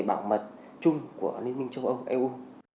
bảo mật chung của liên minh châu âu